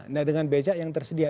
nah dengan becak yang tersedia